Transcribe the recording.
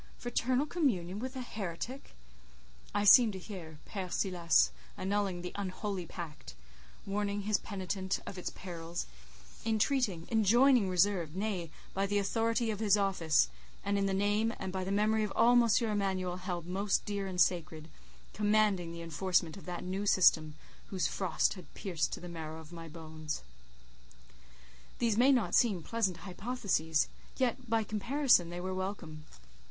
Fraternal communion with a heretic! I seemed to hear Père Silas annulling the unholy pact; warning his penitent of its perils; entreating, enjoining reserve, nay, by the authority of his office, and in the name, and by the memory of all M. Emanuel held most dear and sacred, commanding the enforcement of that new system whose frost had pierced to the marrow of my bones. These may not seem pleasant hypotheses; yet, by comparison, they were welcome.